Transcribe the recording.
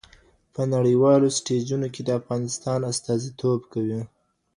په نړیوالو سټیجونو کې د افغانستان استازیتوب کوي.